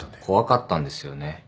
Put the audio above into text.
怖かったんですよね